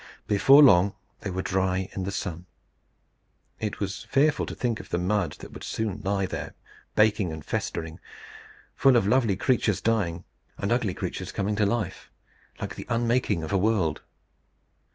Before long they were dry in the sun. It was fearful to think of the mud that would soon lie there baking and festering, full of lovely creatures dying, and ugly creatures coming to life, like the unmaking of a world.